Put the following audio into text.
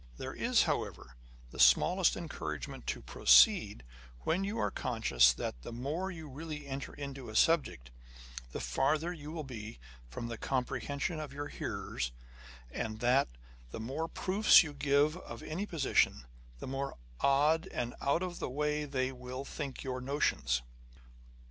There is, however, the smallest encouragement to proceed, when you are conscious that the more you really enter into a subject, the farther you will be from the comprehension of your hearers â€" and that the more proofs you give of any position, the more odd and out of the way they will think your notions.